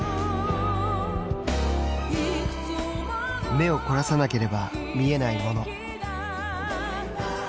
目を凝らさなければ見えないもの。